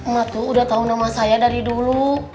mak tuh udah tahu nama saya dari dulu